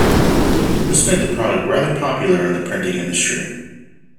This made the product rather popular in the printing industry.